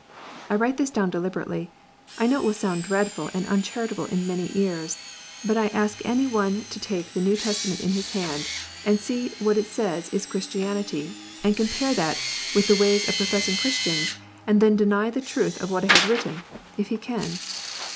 I write this down deliberately. I know it will sound dreadful and uncharitable in many ears.* But I ask any o ne to tSklTthe New Testament in his hand, and see what it says is Christianity, and compare that with the ways of professing Christians, and then deny the truth of what I have written, if he can.